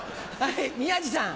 宮治さん。